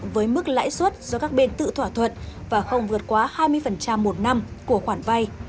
với mức lãi suất do các bên tự thỏa thuận và không vượt quá hai mươi một năm của khoản vay